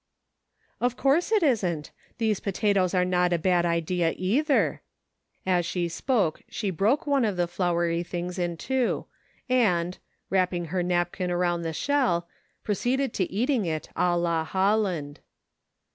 " Of course it isn't ; these potatoes are not a bad idea, either ;" as she spoke she broke one of the CIRCLES. 131 floury things in two and, " wrapping her napkin around the shell," proceeded to eating it a la Hol land.